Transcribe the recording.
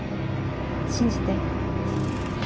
信じて。